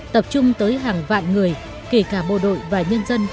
tập trung tới hàng vạn người kể cả bộ đội và nhân dân